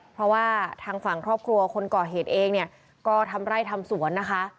เพราะว่าทางฝั่งครอบครัวคนก่อเหตุเองเนี่ยก็ทำไร่ทำสวนนะคะ